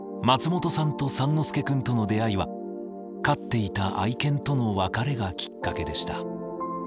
松本さんと三之助くんとの出会いは飼っていた愛犬との別れがきっかけでした。